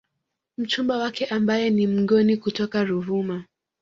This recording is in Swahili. Mchumba wake ambaye ni Mngoni kutoka Ruvuma